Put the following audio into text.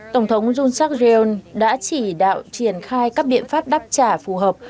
tổng thống jun suk rion đã chỉ đạo triển khai các biện pháp đáp trả phù hợp